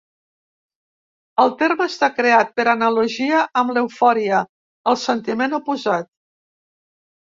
El terme està creat per analogia amb l'eufòria, el sentiment oposat.